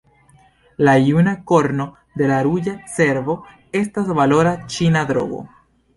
La juna korno de la ruĝa cervo estas valora ĉina drogo.